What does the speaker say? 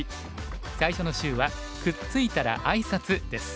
最初の週は「くっついたらあいさつ」です。